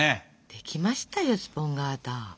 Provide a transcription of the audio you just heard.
できましたよスポンガータ。